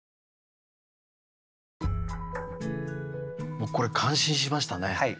もうこれ感心しましたね。